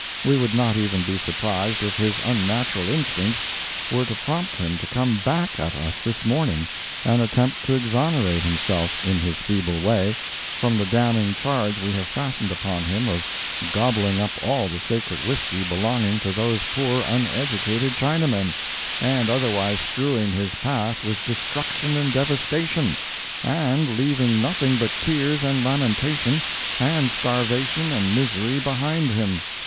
We would not even be surprised if his unnatural instincts were to prompt him to come back at us this morning, and attempt to exonerate himself, in his feeble way, from the damning charge we have fastened upon him of gobbling up all the sacred whiskey belonging to those poor uneducated Chinamen, and otherwise strewing his path with destruction and devastation, and leaving nothing but tears and lamentation, and starvation and misery, behind him.